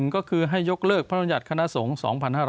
๑ก็คือให้ยกเลิกพปคณะสงส์๒๕๐๕